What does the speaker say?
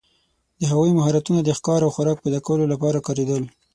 د هغوی مهارتونه د ښکار او خوراک پیداکولو لپاره کارېدل.